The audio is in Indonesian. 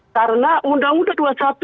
karena undang undang dua puluh satu